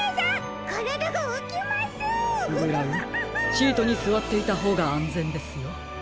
シートにすわっていたほうがあんぜんですよ。